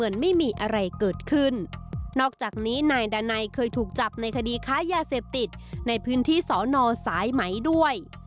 นอกจากนี้นายดานัยเคยถูกจับในคดีค้ายาเสพติดในพื้นที่สอนอสายไหมด้วย